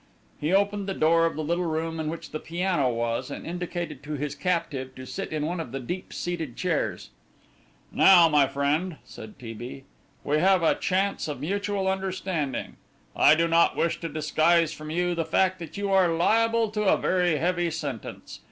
He opened the door of the little room in which the piano was, and indicated to his captive to sit in one of the deep seated chairs. "Now, my friend," said T. B., "we have a chance of mutual understanding. I do not wish to disguise from you the fact that you are liable to a very heavy sentence.